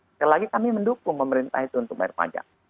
sekali lagi kami mendukung pemerintah itu untuk bayar pajak